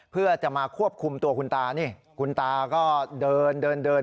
เพื่อจะมาควบคุมตัวคุณตานี่คุณตาก็เดินเดิน